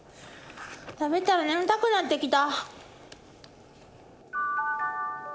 食べたら眠たくなってきた！